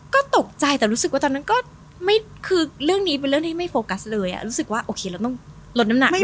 ก็ตกใจแต่รู้สึกว่าตอนนั้นก็คือเรื่องนี้เป็นเรื่องที่ไม่โฟกัสเลยรู้สึกว่าโอเคเราต้องลดน้ำหนัก